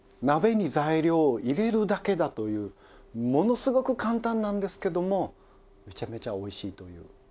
鍋に材料を入れるだけだというものすごく簡単なんですけどもめちゃめちゃおいしいという。